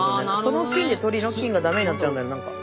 その菌で鳥の菌が駄目になっちゃうんだよ何か。